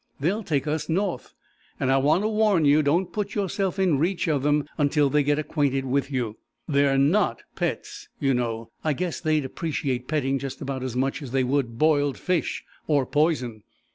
They'll take us north. And I want to warn you, don't put yourself in reach of them until they get acquainted with you. They're not pets, you know; I guess they'd appreciate petting just about as much as they would boiled fish, or poison.